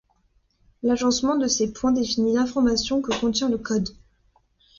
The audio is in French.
L'agencement de ces points définit l'information que contient le code.